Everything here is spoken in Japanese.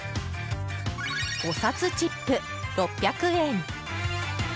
おさつチップ、６００円。